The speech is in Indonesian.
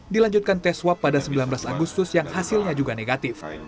dilanjutkan tes swab pada sembilan belas agustus yang hasilnya juga negatif